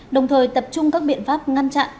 đồng thời tập trung các biện pháp ngăn chặn